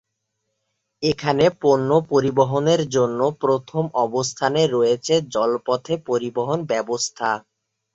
এখানে পণ্য পরিবহনের জন্য প্রথম অবস্থানে রয়েছে জলপথে পরিবহন ব্যবস্থা।